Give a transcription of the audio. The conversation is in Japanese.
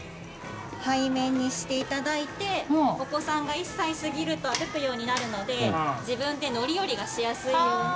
背面にしていただいてお子さんが１歳過ぎると歩くようになるので自分で乗り降りがしやすいように。